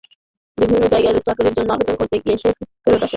বিভিন্ন জায়গায় চাকরির জন্য আবেদন করতে গিয়ে সে ফেরত আসে।